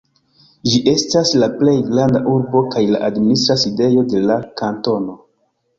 Ĝi estas la plej granda urbo kaj la administra sidejo de la kantono.